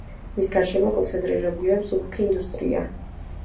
მის გარშემო კონცენტრირებულია მსუბუქი ინდუსტრია.